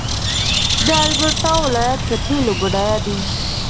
د البرټا ولایت په تیلو بډایه دی.